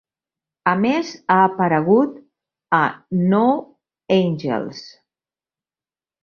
A més, ha aparegut a "No Angels".